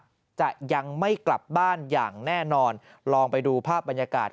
จะยังไม่กลับบ้านอย่างแน่นอนลองไปดูภาพบรรยากาศ